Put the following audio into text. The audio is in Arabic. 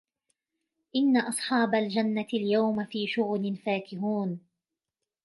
إن أصحاب الجنة اليوم في شغل فاكهون